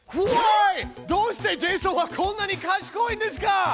どうしてジェイソンはこんなにかしこいんですか！